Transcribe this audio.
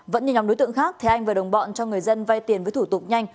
vẫn như nhóm đối tượng khác thế anh và đồng bọn cho người dân vay tiền với thủ tục nhanh